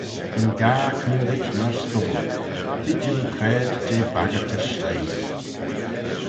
Ta'n gah coontit myr stubble: t'eh jannoo craid jeh baggyrt y shleiy.